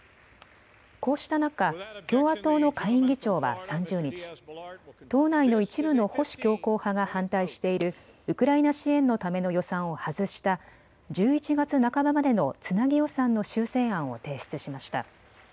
こうしした中、共和党の下院議長は３０日党内の一部の保守強硬派が反対しているウクライナ支援のための予算を外した１１月半ばまでのつなぎ予算の修正案を提出しました。